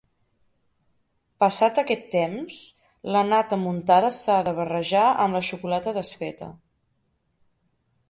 Passat aquest temps, la nata muntada s'ha de barrejar amb la xocolata desfeta.